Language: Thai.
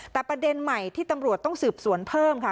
แต่ประเด็นใหม่ที่ตำรวจต้องสืบสวนเพิ่มค่ะ